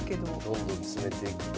どんどん詰めていくと。